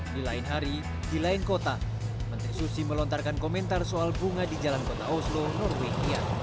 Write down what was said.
di lain hari di lain kota menteri susi melontarkan komentar soal bunga di jalan kota oslo norwegia